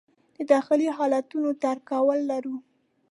د داخلي حالتونو درک کول لرو.